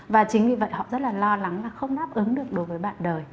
và chính vì vậy họ rất là lo lắng là không đáp ứng được đối với bạn đời